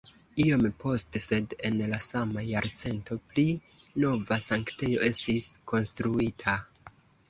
Iom poste sed en la sama jarcento pli nova sanktejo estis konstruita.